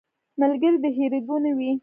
ملګری د هېرېدو نه وي